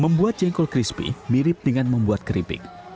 membuat jengkol crispy mirip dengan membuat keripik